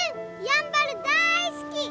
やんばる大好き！